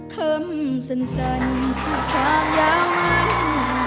ขอบคุณครับ